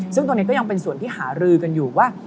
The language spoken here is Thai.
ซึ่งตอนนี้ก็ยังเป็นส่วนที่หารือกันอยู่ว่า